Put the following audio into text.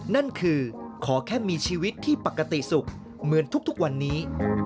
นั่นคือขอแค่มีชีวิตที่ปกติสุขเหมือนทุกวันนี้